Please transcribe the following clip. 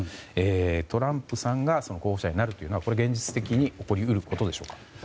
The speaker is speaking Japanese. トランプさんが候補者になるというのは現実的に起こり得ることでしょうか。